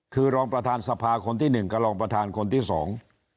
คือรองประธานสภาคนที่หนึ่งกับรองประธานคนที่สอง